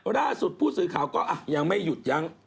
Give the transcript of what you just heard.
ล่าสุดผู้สื่อข่าวก็ยังไม่หยุดยั้ง